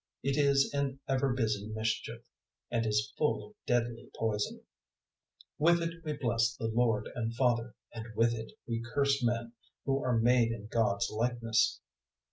It is an ever busy mischief, and is full of deadly poison. 003:009 With it we bless the Lord and Father, and with it we curse men, who are made in God's likeness.